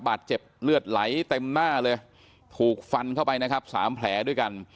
บาดเจ็บเลือดไหลเต็มหน้าเลยถูกฟันเข้าไปนะครับสามแผลด้วยกัน